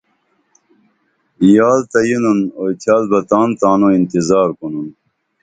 یال تہ یینُن اوئی تھیال بہ تاں تانوں انتظار کونُن